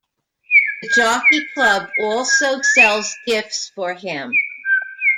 The Jockey Club also sells gifts for him.